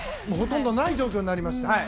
もうほとんどない状況になりました。